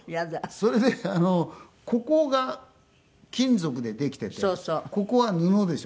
それでここが金属でできていてここは布でしょ。